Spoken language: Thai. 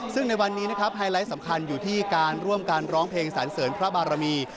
ซึ่งในวันนี้นะครับไฮไลท์สำคัญอยู่ที่การร่วมการร้องเพลงสรรเสริญพระบารมี